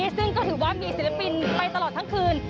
ซึ่งก็ถือว่ามีศิลปินไปตลอดทั้งคืน